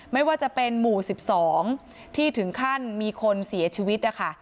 ไม่ว่าจะเป็นหมู่๑๒ที่ถึงขั้นมีคนเสียชีวิตนะคะ